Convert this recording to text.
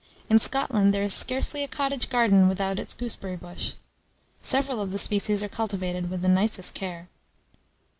In Scotland, there is scarcely a cottage garden without its gooseberry bush. Several of the species are cultivated with the nicest care. HALF PAY PUDDING.